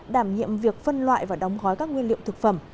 đảm nhiệm việc phân loại và đóng gói các nguyên liệu thực phẩm